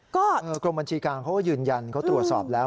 ก็กรมบัญชีกลางเขาก็ยืนยันเขาตรวจสอบแล้ว